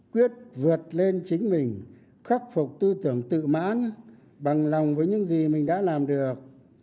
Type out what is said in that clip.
quyết vượt lên chính mình khắc phục tư tưởng tự mãn bằng lòng với những gì mình đã làm được